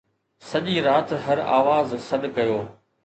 سڄي رات هر آواز سڏ ڪيو